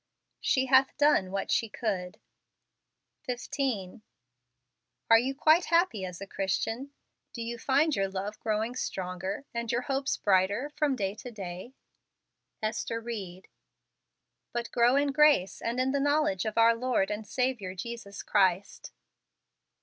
" She hath done what she could." FEBRUARY. 21 15. Are you quite liappy as a Christian ? Do you find your love growing stronger and your hopes brighter from day to day ? Ester Ried. " But grow in grace , and in the knowledge of our Lord and Saviour Jesus Christ."